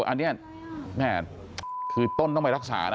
อันนี้แม่คือต้นต้องไปรักษานะ